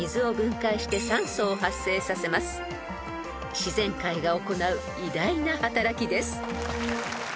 ［自然界が行う偉大な働きです］